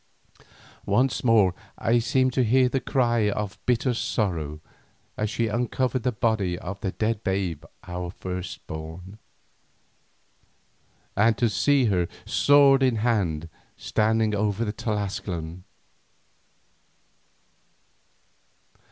Once more I seemed to hear her cry of bitter sorrow as she uncovered the body of the dead babe our firstborn, and to see her sword in hand standing over the Tlascalan.